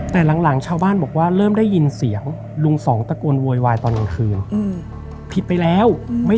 แต่หลังชาวบ้านบอกว่าเริ่มได้ยินเสียงลุงสองตะโกนโวยวายตอนกลางคืนผิดไปแล้ว